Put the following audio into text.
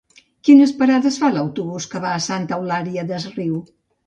Quines parades fa l'autobús que va a Santa Eulària des Riu?